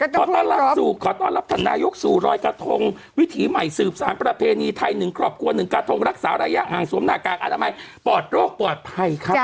ขอต้อนรับสู่ขอต้อนรับท่านนายกสู่รอยกระทงวิถีใหม่สืบสารประเพณีไทย๑ครอบครัว๑กระทงรักษาระยะห่างสวมหน้ากากอนามัยปลอดโรคปลอดภัยครับ